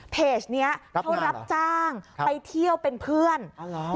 เพจเนี้ยเขารับจ้างครับไปเที่ยวเป็นเพื่อนอ๋อหรอ